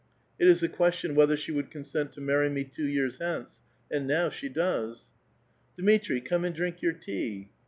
It is a question whether she would consent to marry me two years hence, and now she does." " Dmitri, come and drink vour tea